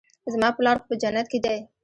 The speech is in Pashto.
زما پلار خو په جنت کښې دى.